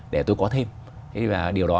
để tôi có thêm thế thì điều đó